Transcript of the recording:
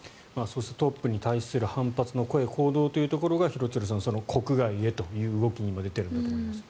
トップに対する反発の声行動というのところが国外へという動きに今、出ているんだと思います。